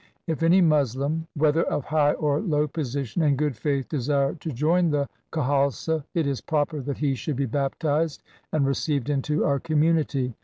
If any Moslem, whether of high or low position, in good faith desire to join the Khalsa, it is proper that he should be baptized and received into our community.'